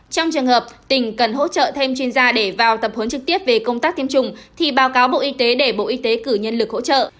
trong trường hợp tỉnh cần hỗ trợ thêm chuyên gia để vào tập huấn trực tiếp về công tác tiêm chủng thì báo cáo bộ y tế để bộ y tế cử nhân lực hỗ trợ